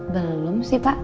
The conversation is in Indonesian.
belum sih pak